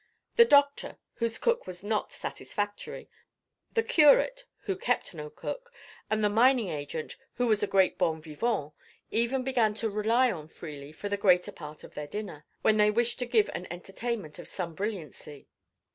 The doctor, whose cook was not satisfactory, the curate, who kept no cook, and the mining agent, who was a great bon vivant, even began to rely on Freely for the greater part of their dinner, when they wished to give an entertainment of some brilliancy.